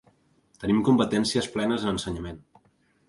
Tenim competències plenes en ensenyament.